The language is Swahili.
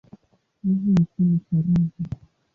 Mji mkuu ni Karuzi.